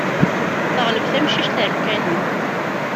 Teɣleb tamcict ar lkanun.